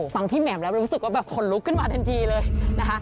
พี่แหม่มแล้วรู้สึกว่าแบบขนลุกขึ้นมาทันทีเลยนะคะ